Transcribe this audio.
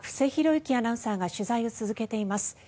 倖アナウンサーが取材を続けています。